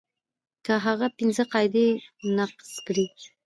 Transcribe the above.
که هغه پنځه قاعدې نقض کړي.